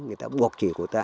người ta buộc chỉ cầu tay